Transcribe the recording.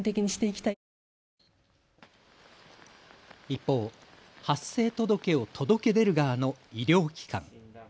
一方、発生届を届け出る側の医療機関。